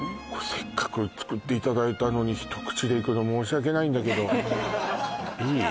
せっかく作っていただいたのに一口でいくの申し訳ないんだけどいい？